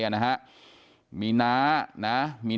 นางนาคะนี่คือยายน้องจีน่าคุณยายถ้าแท้เลย